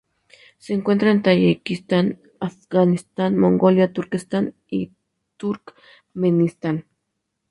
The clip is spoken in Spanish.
Se encuentra en Tayikistán, Afganistán, Mongolia, Turquestán y Turkmenistán.